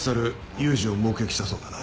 雄二を目撃したそうだな？